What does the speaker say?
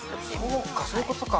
そうか、そういうことか。